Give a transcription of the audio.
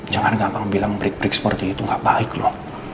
jangan gampang bilang break break seperti itu gak baik loh